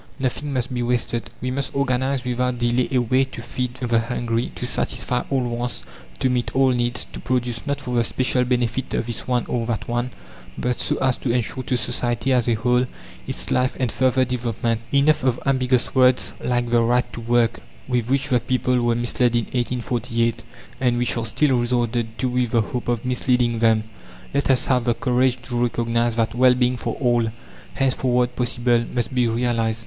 Nothing must be wasted. We must organize without delay a way to feed the hungry, to satisfy all wants, to meet all needs, to produce not for the special benefit of this one or that one, but so as to ensure to society as a whole its life and further development. Enough of ambiguous words like "the right to work," with which the people were misled in 1848, and which are still resorted to with the hope of misleading them. Let us have the courage to recognise that Well being for all, henceforward possible, must be realized.